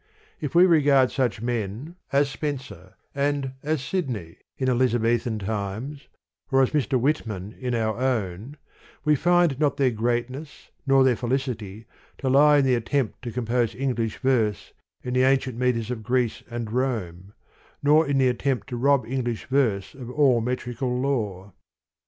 If we regard such men, as Spenser and as Sidney in Elizabethan times, or as Mr. Whitman in our own, we find not their greatness, nor their felicity, to lie in the attempt to compose English verse in the ancient metres of Greece and Rome, nor in the attempt to rob English verse of all metrical law.